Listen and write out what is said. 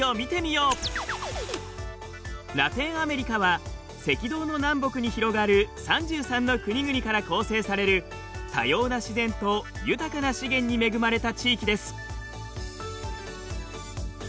ラテンアメリカは赤道の南北に広がる３３の国々から構成される多様な自然と豊かな資源に恵まれた地域です。